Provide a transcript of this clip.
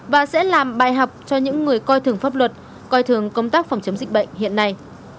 và sẽ làm bài học cho những người coi thường pháp luật coi thường công tác phòng chống dịch bệnh hiện nay